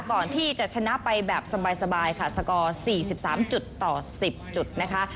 ก่อนที่จะชนะไปแบบสบายค่ะสกอร์๔๓จุดต่อ๑๐จุดนะคะ